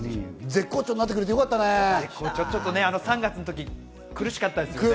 絶好調になってくれてよかっ３月の時、苦しかったですよね。